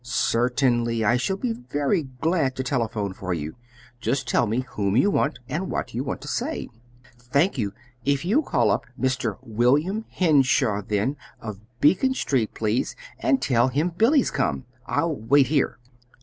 "Certainly; I shall be very glad to telephone for you. Just tell me whom you want, and what you want to say." "Thank you. If you'll call up Mr. William Henshaw, then, of Beacon Street, please, and tell him Billy's come. I'll wait here."